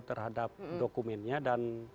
terhadap dokumennya dan